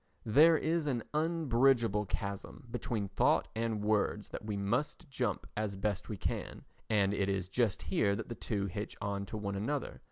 There is an unbridgeable chasm between thought and words that we must jump as best we can, and it is just here that the two hitch on to one another.